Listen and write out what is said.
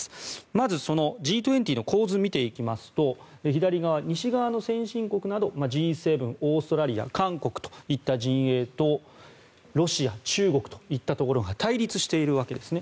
まずそのＧ２０の構図を見ていきますと左側、西側の先進国などオーストラリア、韓国といった陣営とロシア、中国といったところが対立しているわけですね。